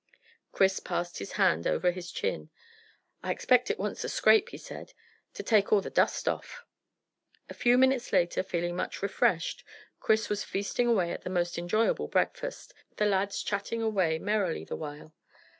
Chris passed his hand over his chin. "I expect it wants a scrape," he said, "to take all the dust off." A few minutes later, feeling much refreshed, Chris was feasting away at a most enjoyable breakfast, the lads chatting away merrily the while.